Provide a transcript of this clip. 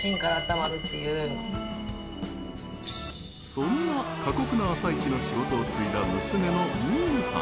そんな過酷な朝市の仕事を継いだ娘の美有さん。